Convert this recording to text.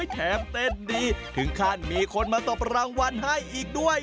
แถมเต้นดีถึงขั้นมีคนมาตบรางวัลให้อีกด้วย